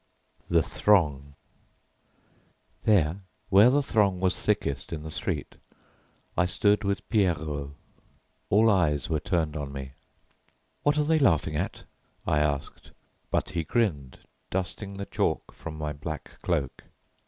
THE THRONG There, where the throng was thickest in the street, I stood with Pierrot. All eyes were turned on me. "What are they laughing at?" I asked, but he grinned, dusting the chalk from my black cloak.